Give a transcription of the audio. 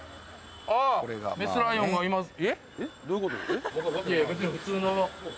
メスライオンがいますえっ？